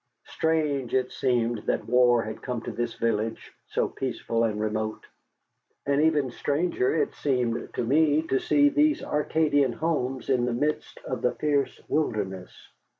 Strange it seemed that war had come to this village, so peaceful and remote. And even stranger it seemed to me to see these Arcadian homes in the midst of the fierce wilderness.